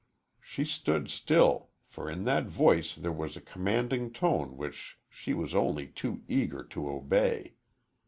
She stood still, for in that voice there was a commanding tone which she was only too eager to obey.